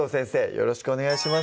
よろしくお願いします